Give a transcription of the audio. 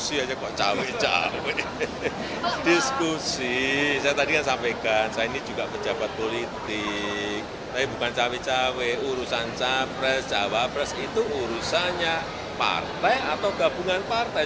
itu urusannya partai atau gabungan partai